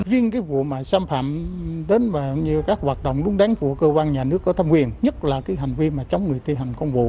riêng cái vụ mà xâm phạm đến và các hoạt động đúng đắn của cơ quan nhà nước có thâm quyền nhất là cái hành vi mà chống người thi hành công vụ